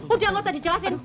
udah nggak usah dijelasin